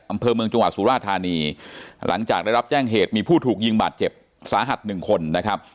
อำเภอเมืองจังหวัดสุราธานีหลังจากได้รับแจ้งเหตุมีผู้ถูกยิงบาดเจ็บสาหัสหนึ่งคนนะครับ